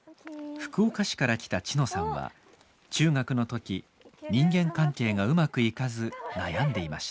福岡市から来た千乃さんは中学の時人間関係がうまくいかず悩んでいました。